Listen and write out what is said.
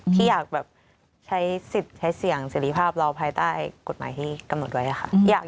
ที่อยากแบบใช้สิทธิ์ใช้เสียงเสร็จภาพเราภายใต้กฎหมายที่กำหนดไว้ค่ะ